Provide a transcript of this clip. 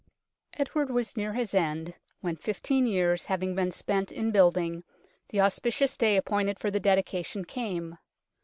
Edward was near his end when, fifteen years having been spent in building, the auspicious day appointed for the dedication came.